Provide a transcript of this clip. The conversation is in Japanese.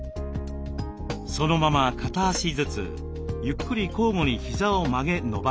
そのまま片足ずつゆっくり交互にひざを曲げ伸ばします。